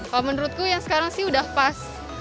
kalau menurutku yang sekarang sih udah pas